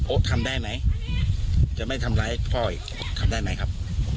ทำได้ไหมจะไม่ทำร้ายพ่ออีกทำได้ไหมครับ